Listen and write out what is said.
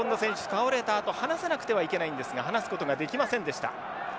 倒れたあと離さなくてはいけないんですが離すことができませんでした。